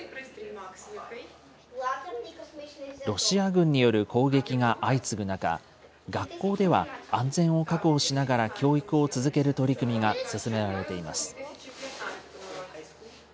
ロシア軍による攻撃が相次ぐ中、学校では安全を確保しながら教育を続ける取り組みが進められています。